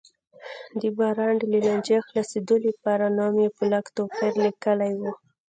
د برانډ له لانجې خلاصېدو لپاره نوم یې په لږ توپیر لیکلی و.